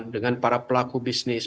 dengan para pelaku bisnis